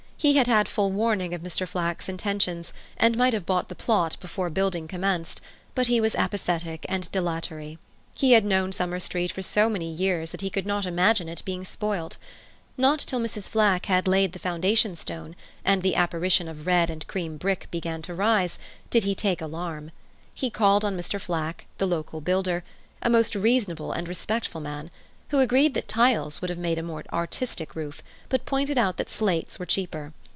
He had had full warning of Mr. Flack's intentions, and might have bought the plot before building commenced: but he was apathetic and dilatory. He had known Summer Street for so many years that he could not imagine it being spoilt. Not till Mrs. Flack had laid the foundation stone, and the apparition of red and cream brick began to rise did he take alarm. He called on Mr. Flack, the local builder,—a most reasonable and respectful man—who agreed that tiles would have made more artistic roof, but pointed out that slates were cheaper.